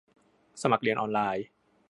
สมัครเรียนออนไลน์